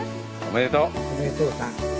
おめでとうさん。